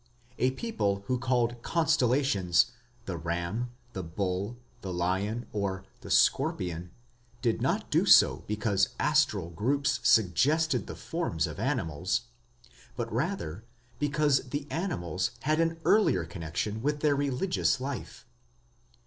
A people who called constellations "the ram", "the bull", "the lion", or "the scorpion", did not do so because astral groups suggested the forms of animals, but rather because the animals had an earlier connection with their religious life.